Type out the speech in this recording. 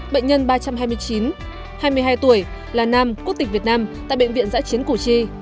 bệnh nhân ba trăm hai mươi chín hai mươi hai tuổi là nam quốc tịch việt nam tại bệnh viện giãi chiến củ chi